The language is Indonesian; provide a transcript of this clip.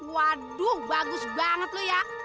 waduh bagus banget loh ya